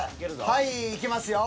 はいいきますよ。